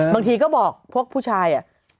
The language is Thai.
บางทีก็บอกพวกผู้ชาย